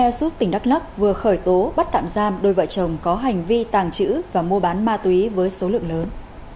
e súp tỉnh đắk lắc vừa khởi tố bắt tạm giam đôi vợ chồng có hành vi tàng trữ và mua bán ma túy với số lượng lớn